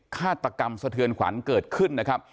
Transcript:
ฆาตกรรมสะเทือนขวัญเกิดขึ้นนะครับ